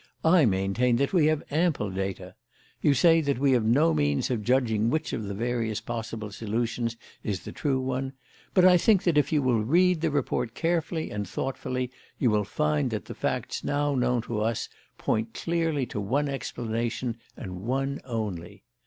I maintain that we have ample data. You say that we have no means of judging which of the various possible solutions is the true one; but I think that if you will read the report carefully and thoughtfully you will find that the facts now known to us point clearly to one explanation, and one only.